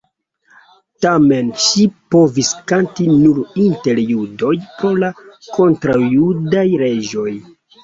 Tamen ŝi povis kanti nur inter judoj pro la kontraŭjudaj leĝoj.